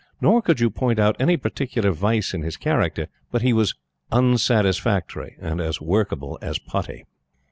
Nor could you point out any particular vice in his character; but he was "unsatisfactory" and as workable as putty.